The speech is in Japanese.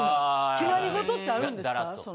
決まりごとってあるんですか？